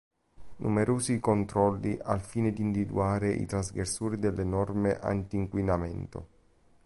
Numerosi i controlli al fine di individuare i trasgressori delle norme antinquinamento.